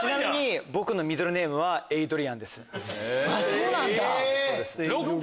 そうなんだ！